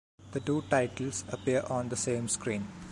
The two titles appear on the same screen.